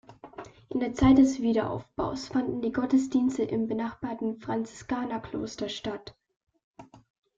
In der Zeit des Wiederaufbaus fanden die Gottesdienste im benachbarten Franziskanerkloster statt.